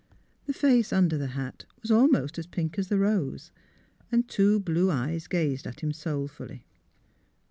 The face under the hat was almost as pink as the rose, and two blue eyes gazed at him soul fully.